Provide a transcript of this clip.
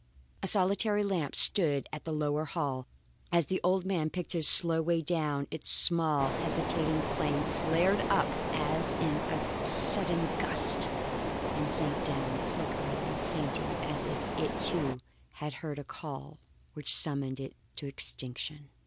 A solitary lamp stood in the lower hall. As the old man picked his slow way down, its small, hesitating flame flared up as in a sudden gust, then sank down flickering and faint as if it, too, had heard a call which summoned it to extinction.